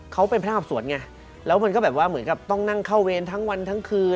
เขาเป็นพระอับสวนไงแล้วมันก็แบบว่าเหมือนกับต้องนั่งเข้าเวรทั้งวันทั้งคืน